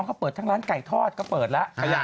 เขาเปิดทั้งร้านไก่ทอดก็เปิดแล้ว